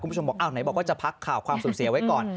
คุณผู้ชมบอกอ้าวไหนบอกว่าจะพักข่าวความสูญเสียไว้ก่อน